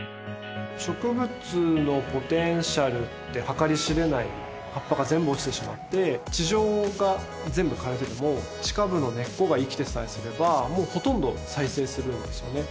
植物のポテンシャルって計り知れない葉っぱが全部落ちてしまって地上が全部枯れてても地下部の根っこが生きてさえすればもうほとんど再生するんですよね